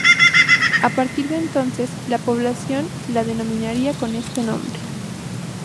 A partir de entonces, la población la denominaría con ese nombre.